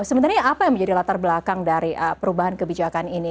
sebenarnya apa yang menjadi latar belakang dari perubahan kebijakan ini